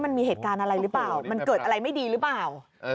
อันนี้มีเหตุการณ์อะไรรึเปล่ามันเกิดอะไรไม่ดีรึเปล่าใช่หรือเปล่า